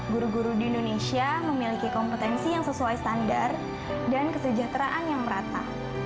guru guru di indonesia memiliki kompetensi yang sesuai standar dan kesejahteraan yang merata